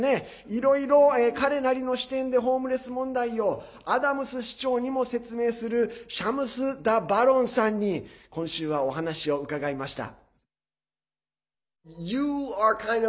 いろいろ、彼なりの視点でホームレス問題をアダムズ市長にも説明するシャムス・ダバロンさんに今週はお話を伺いました。